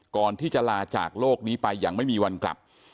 ก่อนที่จะลาจากโลกนี้ไปอย่างไม่มีวันกลับ